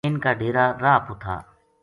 اِنھ کا ڈیرا راہ پو تھا